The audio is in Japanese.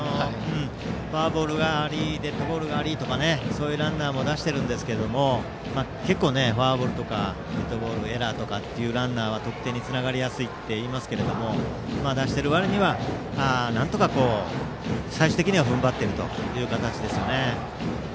フォアボールがありデッドボールがありとかでそういうランナーも出しているんですけど結構、フォアボールとかデッドボール、エラーとかのランナーは、得点につながりやすいといいますが出している割にはなんとか最終的には踏ん張っている形ですね。